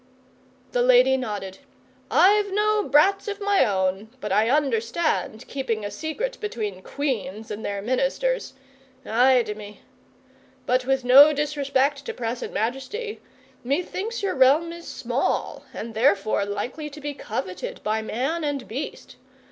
The lady nodded. 'I've no brats of my own, but I understand keeping a secret between Queens and their Ministers. Ay de mi! But with no disrespect to present majesty, methinks your realm' small, and therefore likely to be coveted by man and beast.